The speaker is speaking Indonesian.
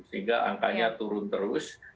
sehingga angkanya turun terus